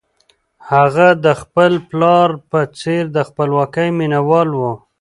هغه د خپل پلار په څېر د خپلواکۍ مینه وال و.